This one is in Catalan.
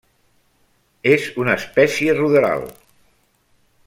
És una espècie ruderal.